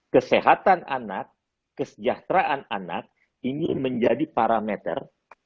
kesehatan anak kesejahteraan anak ini menjadi parameter